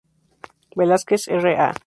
Velásquez, R. Á.